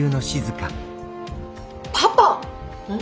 パパ！